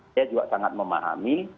saya juga sangat memahami